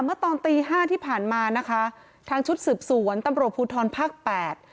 เมื่อตอนตีห้าที่ผ่านมานะคะทางชุดสืบสวนตำรวจภูทรภาคแปด